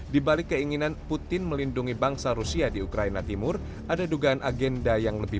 peneliti hubungan international center for strategic and international studies gilang kembara menyebut